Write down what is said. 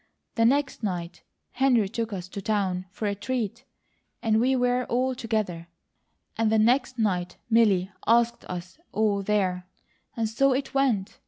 The next night Henry took us to town for a treat, and we were all together, and the next night Milly asked us all there, and so it went.